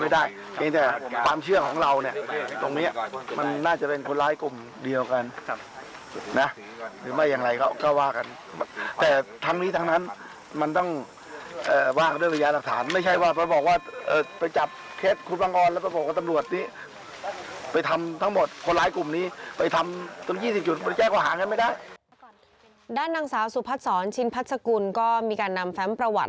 ด้านนางสาวสุพัฒนศรชินพัชกุลก็มีการนำแฟมประวัติ